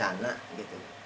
kata edoa mau diadakan